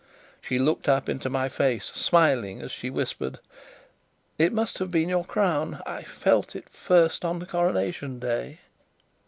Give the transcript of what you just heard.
She looked up into my face, smiling, as she whispered: "It must have been your Crown. I felt it first on the Coronation Day."